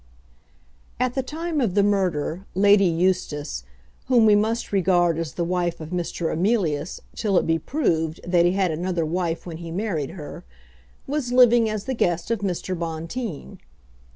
At the time of the murder, Lady Eustace, whom we must regard as the wife of Mr. Emilius till it be proved that he had another wife when he married her, was living as the guest of Mr. Bonteen.